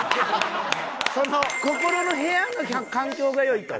その心の部屋の環境が良いと？